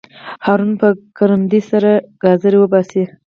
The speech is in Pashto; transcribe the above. هارون په کرندي سره ګازر وباسي.